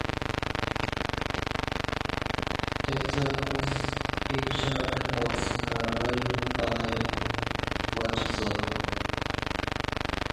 Tetsuo's initial efforts are ruined by Machizo.